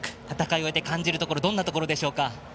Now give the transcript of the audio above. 戦いを終えて感じるところどんなところでしょうか。